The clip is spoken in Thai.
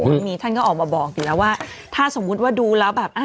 วันนี้ท่านก็ออกมาบอกอยู่แล้วว่าถ้าสมมุติว่าดูแล้วแบบ